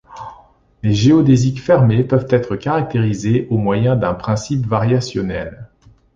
Les géodésiques fermées peuvent être caractérisées au moyen d'un principe variationnel.